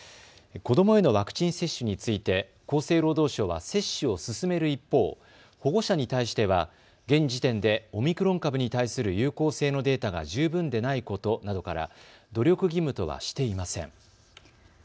子どもへのワクチン接種について厚生労働省は接種を進める一方保護者に対しては現時点でオミクロン株に対する有効性のデータが十分でないことなどから、努力義務とはしていません。